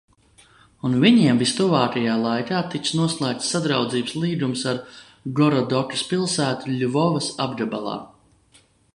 Un viņiem vistuvākajā laikā tiks noslēgts sadraudzības līgums ar Gorodokas pilsētu Ļvovas apgabalā.